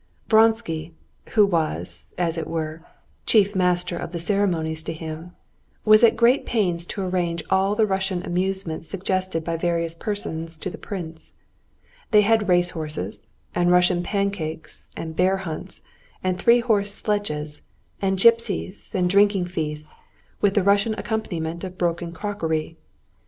Vronsky, who was, as it were, chief master of the ceremonies to him, was at great pains to arrange all the Russian amusements suggested by various persons to the prince. They had race horses, and Russian pancakes and bear hunts and three horse sledges, and gypsies and drinking feasts, with the Russian accompaniment of broken crockery.